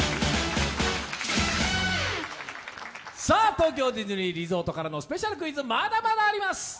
東京ディズニーリゾートからのスペシャルクイズまだまだあります。